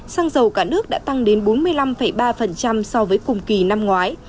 xăng dầu cả nước đã tăng đến bốn mươi năm ba so với cùng kỳ năm ngoái